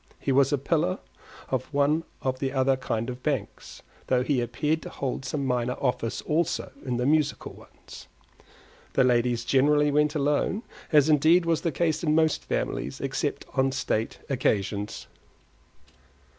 He was a pillar of one of the other kind of banks, though he appeared to hold some minor office also in the musical ones. The ladies generally went alone; as indeed was the case in most families, except on state occasions.